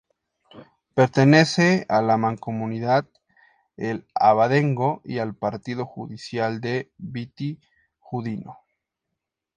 Pertenece a la Mancomunidad El Abadengo y al partido judicial de Vitigudino.